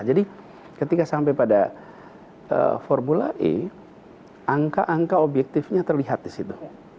jadi ketika sampai pada formula e angka angka objektifnya terlihat di situ